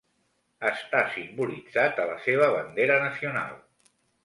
Està simbolitzat a la seva bandera nacional.